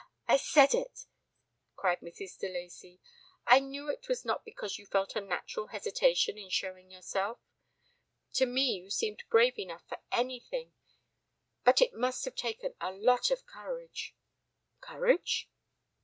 "Ah! I said it!" cried Mrs. de Lacey. "I knew it was not because you felt a natural hesitation in showing yourself. To me you seem brave enough for anything, but it must have taken a lot of courage." "Courage?"